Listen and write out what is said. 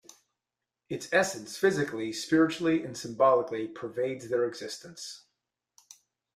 Its essence, physically, spiritually, and symbolically, pervades their existence.